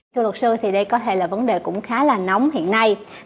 thưa luật sư thì đây có thể là vấn đề cũng khá là nóng hiện nay